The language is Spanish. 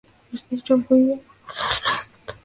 Se distribuye hacia el recto.